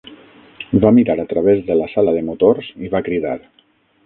Va mirar a través de la sala de motors i va cridar.